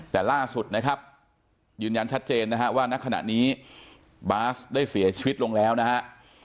แต่ล่าสุดนะครับยืนยันชัดเจนนะฮะว่าณขณะนี้บาสได้เสียชีวิตลงแล้วนะฮะ